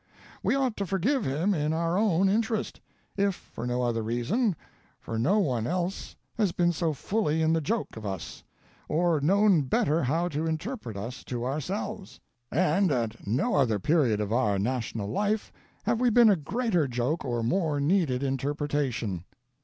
We ought to forgive him in our own interest, if for no other reason, for no on else has been so fully in the joke of us, or known better how to interpret us to ourselves; and at no other period of our National life have we been a greater joke or more needed interpretation.